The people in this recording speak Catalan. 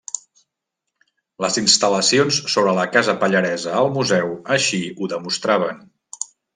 Les instal·lacions sobre la Casa Pallaresa al Museu així ho demostraven.